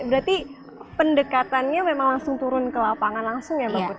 berarti pendekatannya memang langsung turun ke lapangan langsung ya mbak putri